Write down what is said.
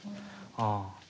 ああ。